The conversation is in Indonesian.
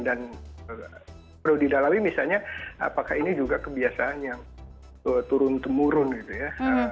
dan perlu didalami misalnya apakah ini juga kebiasaan yang turun temurun gitu ya